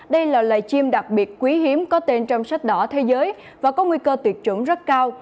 đây là loài chim đặc biệt quý hiếm có tên trong sách đỏ thế giới và có nguy cơ tuyệt chủng rất cao